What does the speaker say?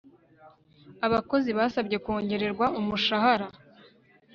Abakozi basabye kongererwa umushahara